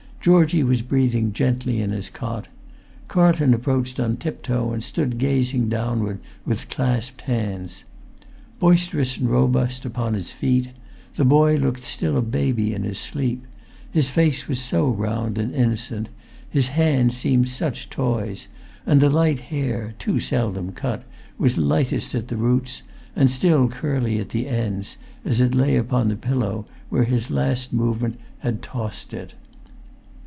Georgie was breathing gently in his cot. Carlton approached on tip toe, and stood gazing downward with clasped hands. Boisterous and robust upon his feet, the boy looked still a baby in his sleep; his face was so round and innocent; his hands seemed such toys; and the light hair, too seldom cut, was lightest at the roots, and still curly at the ends, as it lay upon the pillow where[Pg 389] his last movement had tossed it.